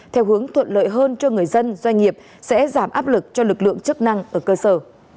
theo hướng thuận lợi hơn cho người dân doanh nghiệp sẽ giảm áp lực cho lực lượng chức năng ở cơ sở